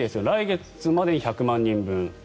来月までに１００万人分。